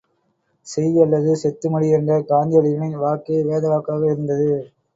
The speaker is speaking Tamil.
செய் அல்லது செத்து மடி என்ற காந்தியடிகளின் வாக்கே வேதவாக்காக இருந்தது.